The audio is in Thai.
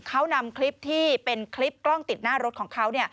เขานำคลิปที่เป็นคลิปกล้องติดหน้ารถของเขา